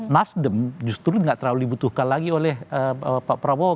nasdem justru tidak terlalu dibutuhkan lagi oleh pak prabowo